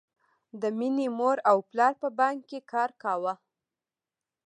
د مینې مور او پلار په بانک کې کار کاوه